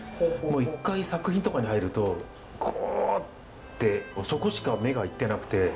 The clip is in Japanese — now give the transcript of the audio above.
一回作品とかに入るとグッてそこしか目が行ってなくて。